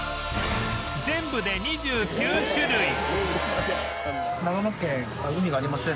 全部で２９種類